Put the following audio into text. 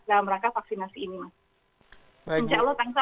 insya allah tanggal mulai hari ini untuk tenaga medis